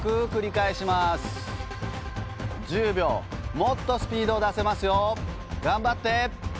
もっとスピードを出せますよ。頑張って。